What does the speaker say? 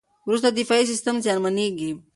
وروسته دفاعي سیستم زیانمنېږي.